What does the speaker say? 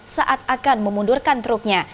saat akan memundurkan truknya